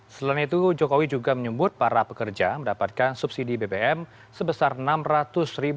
selain itu jokowi juga menyebut para pekerja mendapatkan subsidi bbm sebesar rp enam ratus